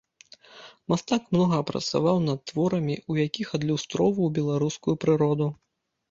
Мастак многа працаваў над творамі, у якіх адлюстроўваў беларускую прыроду.